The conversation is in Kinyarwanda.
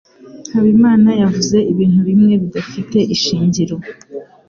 Habimana yavuze ibintu bimwe bidafite ishingiro.